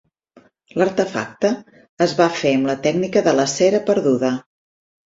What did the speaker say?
L'artefacte es va fer amb la tècnica de la cera perduda.